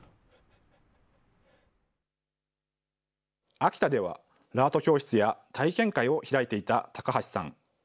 秋田では、ラート教室や体験会を開いていた高橋さん。